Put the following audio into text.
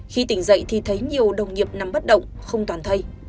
khi tỉnh dậy thì thấy nhiều đồng nghiệp nằm bất động không toàn thay